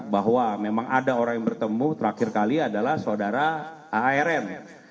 bahwa memang ada orang yang bertemu terakhir kali adalah saudara arm